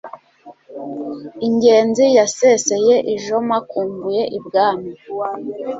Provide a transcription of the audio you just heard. I Ngenzi yaseseye i Joma kumbuye i Bwami